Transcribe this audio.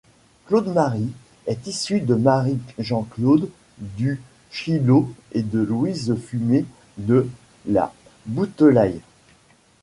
Claude-Marie est issu de Marie-Jean-Claude du Chilleau et de Louise Fumée de la Boutelaye.